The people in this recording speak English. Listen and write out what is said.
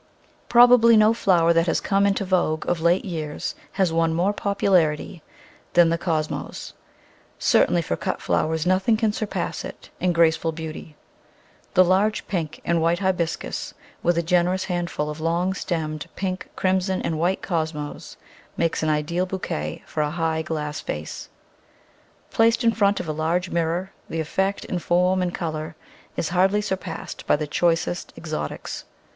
Probably no flower that has come into vogue of late years has won more popularity than the Cosmos — certainly for cut flowers nothing can surpass it in graceful beauty. The large pink and white Hibiscus, with a generous handful of long stemmed pink, crim son, and white Cosmos, makes an ideal bouquet for a high glass vase. Placed in front of a large mirror the effect in form and colour is hardly surpassed by the choicest exotics.